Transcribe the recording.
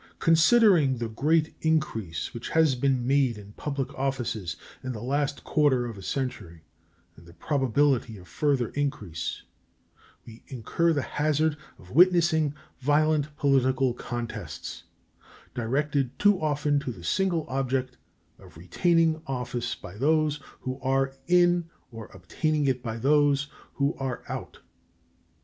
Considering the great increase which has been made in public offices in the last quarter of a century and the probability of further increase, we incur the hazard of witnessing violent political contests, directed too often to the single object of retaining office by those who are in or obtaining it by those who are out.